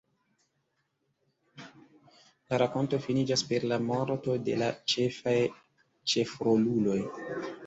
La rakonto finiĝas per la morto de la ĉefaj ĉefroluloj.